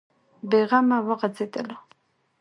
بې غمه وغځېدلو.